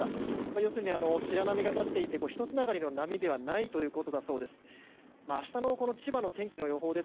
要するに白波が立っていてひとつながりの波ではないということだそうです。